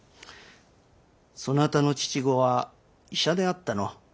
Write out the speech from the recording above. そなたの父御は医者であったの？